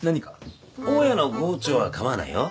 大家の郷長は構わないよ。